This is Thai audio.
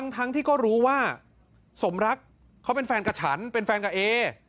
ทั้งที่ก็รู้ว่าสมรักเขาเป็นแฟนกับฉันเป็นแฟนกับเอ